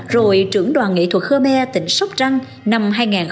rồi trưởng đoàn nghệ thuật khơ me tỉnh sóc trăng năm hai nghìn ba